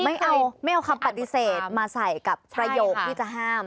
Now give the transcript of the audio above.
ไม่เอาคำปฏิเสธมาใส่กับประโยคที่จะห้าม